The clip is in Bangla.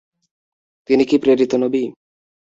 তিনি কি প্রেরিত নবী?